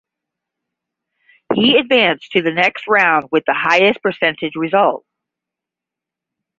He advanced to the next round with the highest percentage result.